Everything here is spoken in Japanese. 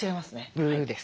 ブーです。